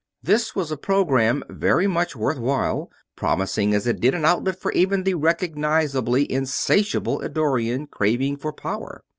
This was a program very much worthwhile, promising as it did an outlet for even the recognizedly insatiable Eddorian craving for power.